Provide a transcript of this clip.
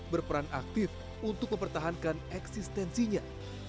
membuat desa blangkrung aktif untuk mempertahankan eksistensinya